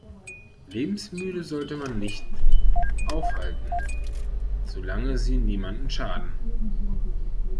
Lebensmüde sollte man nicht aufhalten, solange sie niemandem schaden.